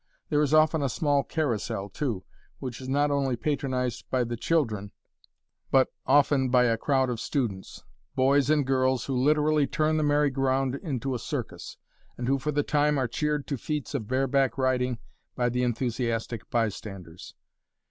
There is often a small carousel, too, which is not only patronized by the children, but often by a crowd of students boys and girls, who literally turn the merry go round into a circus, and who for the time are cheered to feats of bareback riding by the enthusiastic bystanders.